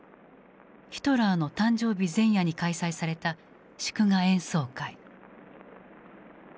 ヒトラーの誕生日前夜に開催された祝賀演奏会。